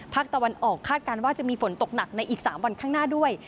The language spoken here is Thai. ภาคตะวันออกคาดการณ์ว่าจะมีฝนตกหนักในอีก๓วันข้างหน้าด้วย